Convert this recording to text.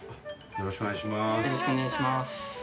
よろしくお願いします。